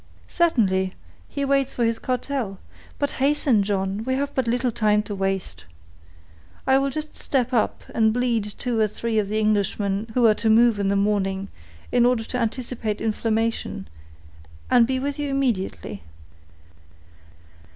"Certainly, he waits for his cartel; but hasten, John, we have but little time to waste. I will just step up and bleed two or three of the Englishmen who are to move in the morning, in order to anticipate inflammation, and be with you immediately."